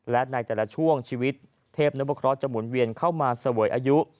และในแต่ละช่วงชีวิตเทพนบเคราะหจะหมุนเวียนเข้ามาเสวยอายุ